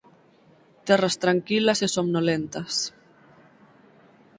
Terras tranquilas e somnolentas;